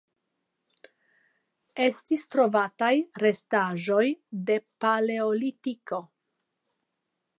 Estis trovitaj restaĵoj de Paleolitiko.